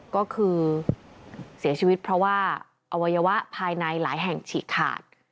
ก็คือเสียชีวิตเพราะว่าอวัยวะภายในหลายแห่งฉีกขาด